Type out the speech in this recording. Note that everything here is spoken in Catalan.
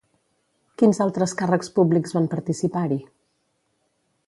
Quins altres càrrecs públics van participar-hi?